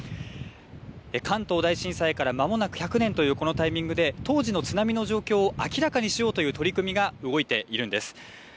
関東大震災からまもなく１００年というこのタイミングで当時の津波の状況を明らかにしようという取り組みが動いているんです。